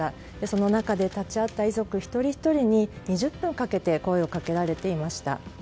その中で、立ち会った遺族一人ひとりに２０分かけて声をかけられていました。